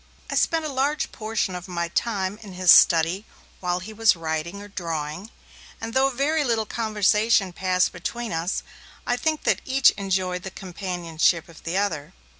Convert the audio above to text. I spent a large portion of my time in his study while he was writing or drawing, and though very little conversation passed between us, I think that each enjoyed the companionship of the other.